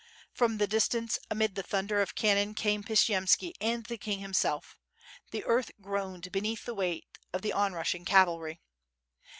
From the distance amid the thunder of cannon came Pshiyemski and the king himself; the earth groaned beneath the weight of the onrushing cavalry.